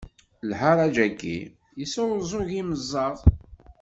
Lharaǧ-agi yesɛuẓug imeẓaɣ